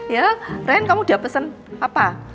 ya rein kamu udah pesen apa